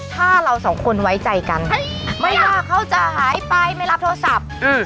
ถ้าเราสองคนไว้ใจกันไม่ว่าเขาจะหายไปไม่รับโทรศัพท์